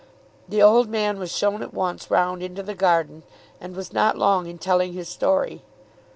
The old man was shown at once round into the garden, and was not long in telling his story.